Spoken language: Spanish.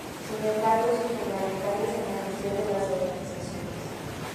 Sin embargo, son fundamentales en la gestión de las organizaciones.